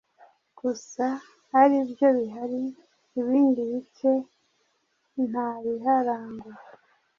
gusa aribyo bihari ibindi bice ntabiharangwa.